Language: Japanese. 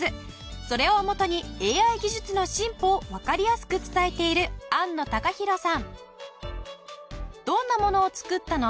それをもとにＡＩ技術の進歩をわかりやすく伝えている安野貴博さん。